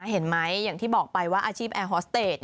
เห็นไหมอย่างที่บอกไปว่าอาชีพแอร์ฮอสเตต